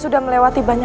tidak perlu bawa saja